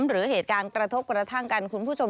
หรือการกระทบกระทั่งคุณผู้ชม